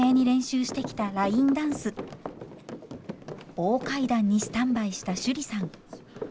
大階段にスタンバイした趣里さん。